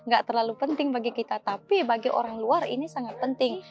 gak terlalu penting bagi kita tapi bagi orang luar ini sangat penting